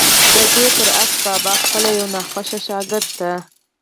ددې برعکس بابا خپل يو ناخوښه شاګرد ته